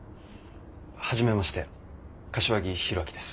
初めまして柏木弘明です。